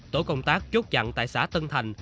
tổ công tác chốt chặn tại xã tân thành